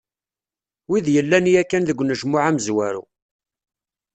Wid yellan yakkan deg unejmuɛ amezwaru.